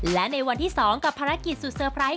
และในวันที่๒กับภารกิจสุดเซอร์ไพรส์